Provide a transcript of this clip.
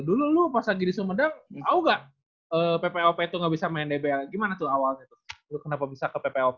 dulu lu pas lagi di sumedang tau gak ppop tuh gak bisa main dbl gimana tuh awalnya tuh lu kenapa bisa ke ppop